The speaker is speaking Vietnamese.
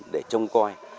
để trông coi